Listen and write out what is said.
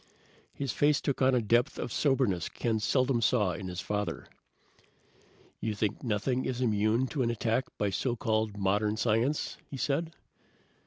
His face took on a depth of soberness Ken seldom saw in his father. "You think nothing is immune to an attack by so called modern science?" he said.